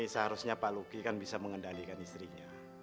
seharusnya pak luki kan bisa mengendalikan istrinya